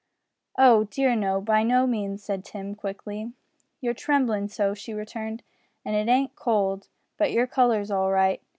"Oh! dear no. By no means," said Tim, quickly. "You're tremblin' so," she returned, "an' it ain't cold but your colour's all right.